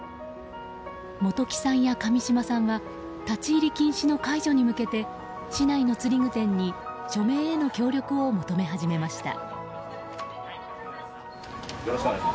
本木さんや神島さんは立ち入り禁止の解除に向けて市内の釣具店に署名への協力を求め始めました。